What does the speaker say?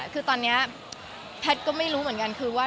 คือตอนนี้แพทย์ก็ไม่รู้เหมือนกันคือว่า